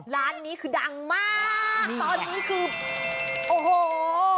ร้านนี้คือดังมากตอนนี้คือโอ้โห